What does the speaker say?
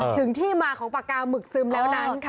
ถึงที่มาของปากกาหมึกซึมแล้วนั้นค่ะ